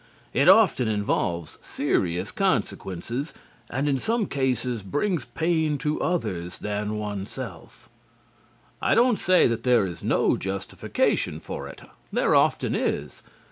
It often involves serious consequences, and in some cases brings pain to others than oneself. I don't say that there is no justification for it. There often is.